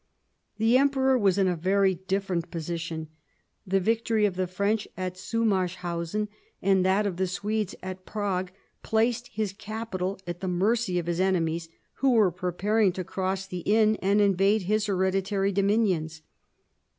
The Emperor was in a very different position. The victory of the French at Zusmarshausen, and that of the Swedes at Prague, placed his capital at the mercy of his enemies, who were preparing to cross the Inn and invade his hereditary dominions.